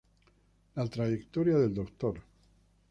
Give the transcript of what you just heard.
La trayectoria del Dr.